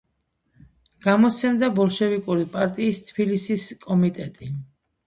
გამოსცემდა ბოლშევიკური პარტიის თბილისის კომიტეტი.